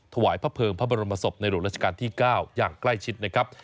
ถวายพระเภิงพระบรมศพในหลวงราชการที่๙อย่างใกล้ชิดนะครับ